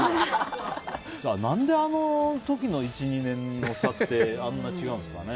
あの時の１２年の差ってあんなに違うんですかね。